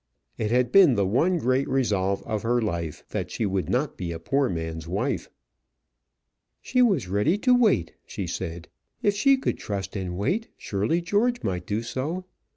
It had been the one great resolve of her life, that she would not be a poor man's wife. "She was ready to wait," she said. "If she could trust and wait, surely George might do so.